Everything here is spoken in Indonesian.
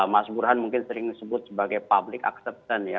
mas burhan mungkin sering disebut sebagai public acceptance ya